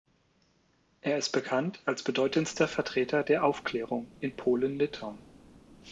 Er ist bekannt als bedeutendster Vertreter der Aufklärung in Polen-Litauen.